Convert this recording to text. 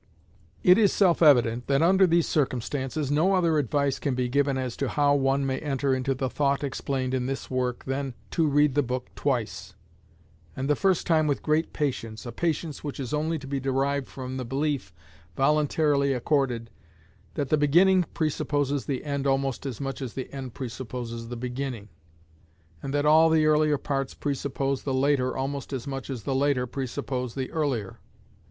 It is self evident that under these circumstances no other advice can be given as to how one may enter into the thought explained in this work than to read the book twice, and the first time with great patience, a patience which is only to be derived from the belief, voluntarily accorded, that the beginning presupposes the end almost as much as the end presupposes the beginning, and that all the earlier parts presuppose the later almost as much as the later presuppose the earlier.